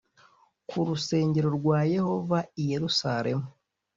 ku rusengero rwa yehova i yerusalemu